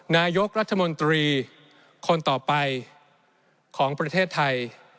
นายกรัฐมนตรีคนต่อไปของประเทศไทย